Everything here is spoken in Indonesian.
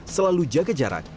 selalu jaga jarak